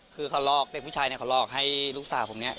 คือเขาลอกเด็กผู้ชายเขาลอกให้ลูกสาวผมนี่